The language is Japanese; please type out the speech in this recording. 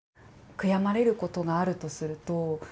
悔やまれることがあるとすると。